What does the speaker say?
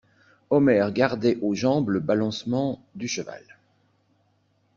Omer gardait aux jambes le balancement du cheval.